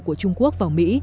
của trung quốc vào mỹ